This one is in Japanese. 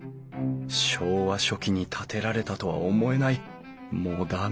昭和初期に建てられたとは思えないモダンなデザインだな。